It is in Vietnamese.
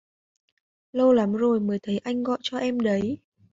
Lâu lắm rồi mới thấy anh gọi cho em đấy